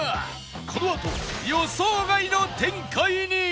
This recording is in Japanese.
このあと予想外の展開に！